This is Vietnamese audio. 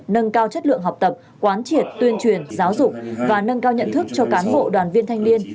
nâng cao chất lượng học tập quán triệt tuyên truyền giáo dục và nâng cao nhận thức cho cán bộ đoàn viên thanh niên